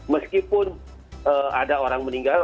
meskipun ada orang meninggal